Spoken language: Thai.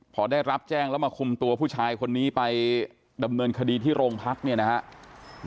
พอได้รับแจ้งแล้วมาคุมตัวผู้ชายคนนี้ไปดำเนินคดีที่โรงพักเนี่ยนะครับ